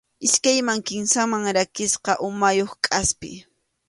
Iskayman kimsaman rakisqa umayuq kʼaspi.